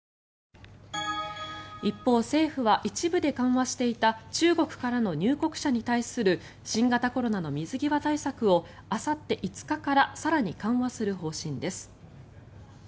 一方、政府は一部で緩和していた中国からの入国者に対する新型コロナの水際対策をあさって５日から更に緩和する方針です。